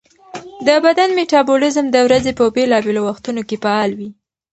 د بدن میټابولیزم د ورځې په بېلابېلو وختونو کې فعال وي.